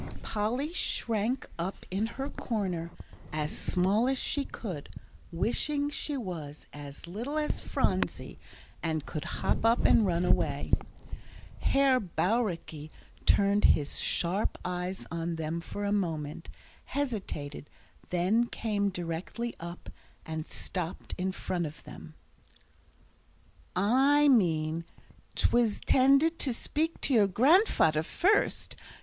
Polly shrank up in her corner as small as she could, wishing she was as little as Phronsie, and could hop up and run away. Herr Bauricke turned his sharp eyes on them for a moment, hesitated, then came directly up, and stopped in front of them. "I meant I _in_tended to speak to your grandfader first.